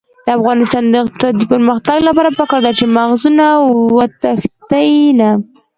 د افغانستان د اقتصادي پرمختګ لپاره پکار ده چې مغزونه وتښتي نه.